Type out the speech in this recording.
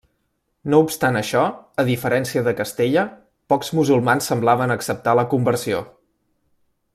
No obstant això, a diferència de Castella, pocs musulmans semblaven acceptar la conversió.